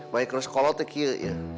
bikers sekolah tuh kira kira